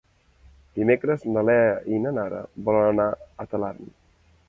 Dimecres na Lea i na Nara voldrien anar a Talarn.